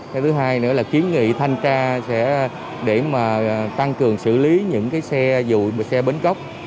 cái thứ hai nữa là kiến nghị thanh tra để tăng cường xử lý những xe dù xe bến cốc